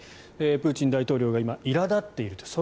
プーチン大統領が今、いら立っていると。